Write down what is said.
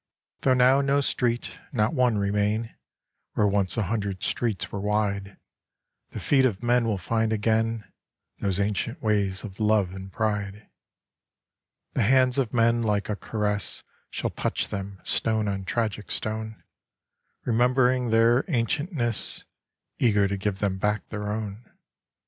Though now no street, not one, remain, Where once a hundred streets were wide, The feet of men will find again Those ancient ways of love and pride: The hands of men like a caress Shall touch them, stone on tragic stone, Remembering their ancientness, Eager to give them back their own